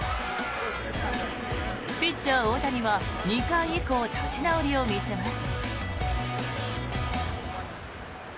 ピッチャー・大谷は２回以降、立ち直りを見せます。